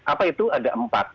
apa itu ada empat